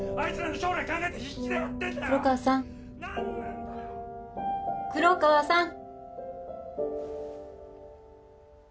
黒川さん黒川さん！